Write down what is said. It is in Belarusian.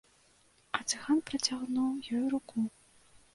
А цыган працягнуў ёй руку.